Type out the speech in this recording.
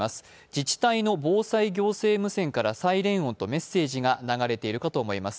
自治体の防災行政無線からサイレン音とメッセージが流れているかと思います。